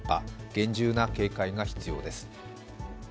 厳重な警戒が必要です。